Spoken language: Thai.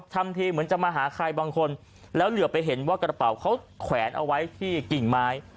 ทำทีเหมือนจะมาหาใครบางคนแล้วเหลือไปเห็นว่ากระเป๋าเขาแขวนเอาไว้ที่กิ่งไม้